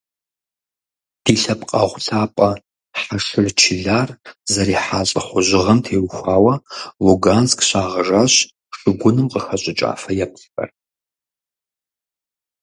Ди лъэпкъэгъу лъапӀэ Хьэшыр Чылар зэрихьа лӀыхъужьыгъэм теухуауэ Луганск щагъэжащ шыгуным къыхэщӀыкӀа фэеплъхэр.